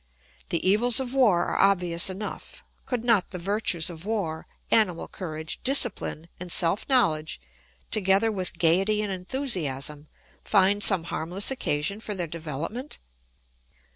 The evils of war are obvious enough; could not the virtues of war, animal courage, discipline, and self knowledge, together with gaiety and enthusiasm, find some harmless occasion for their development?